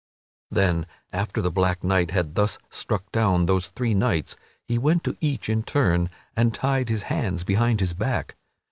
Then after the black knight had thus struck down those three knights he went to each in turn and tied his hands behind his back.